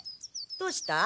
どうした？